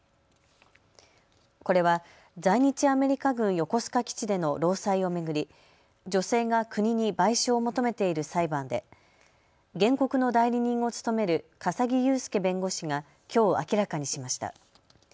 これは在日アメリカ軍横須賀基地での労災を巡り女性が国に賠償を求めている裁判で原告の代理人を務める笠置裕亮弁護士がきょう明らかにしました。